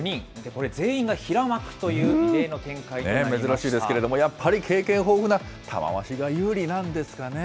これ、全員が平幕という異例の展珍しいですけれども、やっぱり経験豊富な玉鷲が有利なんですかね。